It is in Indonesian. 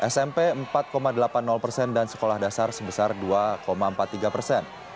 smp empat delapan puluh persen dan sekolah dasar sebesar dua empat puluh tiga persen